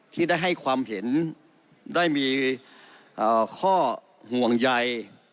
ที่ได้ให้ความเห็นได้มีข้อห่วงใย